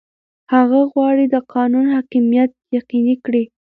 هغه غواړي د قانون حاکمیت یقیني کړي.